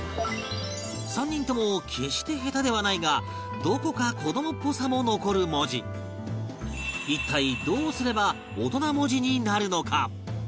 ３人とも決して下手ではないがどこか一体どうすれば大人文字になるのか？